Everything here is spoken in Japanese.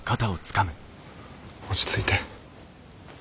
落ち着いて。